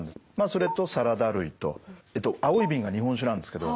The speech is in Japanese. それとサラダ類と青い瓶が日本酒なんですけど。